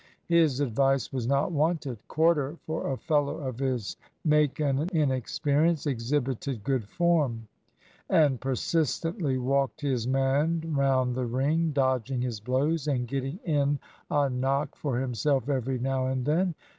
His advice was not wanted. Corder, for a fellow of his make and inexperience, exhibited good form, and persistently walked his man round the ring, dodging his blows and getting in a knock for himself every now and then.